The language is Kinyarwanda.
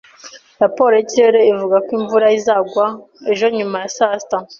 Raporo y’ikirere ivuga ko imvura izagwa ejo nyuma ya saa sita.